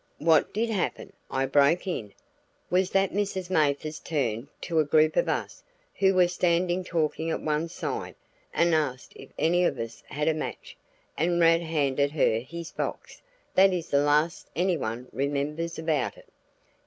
"What did happen," I broke in, "was that Mrs. Mathers turned to a group of us who were standing talking at one side, and asked if any of us had a match, and Rad handed her his box. That is the last anyone remembers about it."